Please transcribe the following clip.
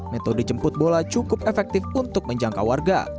metode jemput bola cukup efektif untuk menjangkau warga